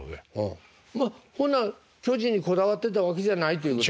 ほな巨人にこだわってたわけじゃないということですね。